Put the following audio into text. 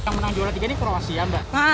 yang menang juara tiga ini kroasia mbak